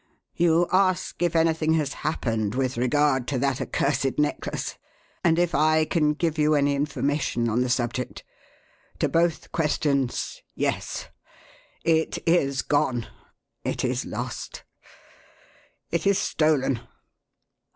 You ask if anything has happened with regard to that accursed necklace and if I can give you any information on the subject? To both questions, yes! It is gone! It is lost! It is stolen!"